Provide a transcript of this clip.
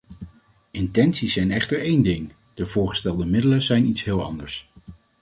Intenties zijn echter één ding, de voorgestelde middelen zijn iets heel anders.